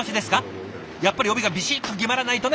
やっぱり帯がビシッと決まらないとね！